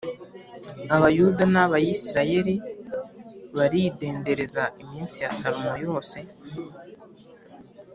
Abayuda n’Abisirayeli baridendereza iminsi ya Salomo yose